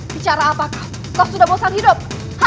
bicara apakah toh sudah bosan hidup